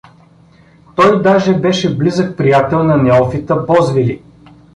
Той даже беше близък приятел на Неофита Бозвели.